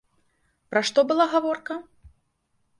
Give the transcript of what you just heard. Пра што была гаворка?